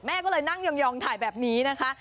ก็เลยนั่งยองถ่ายแบบนี้นะคะ